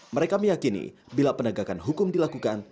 mereka meyakini bila penegakan hukum dilakukan